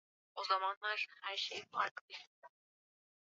ukiambukizwa virusi vya ukimwi utaanza kukonda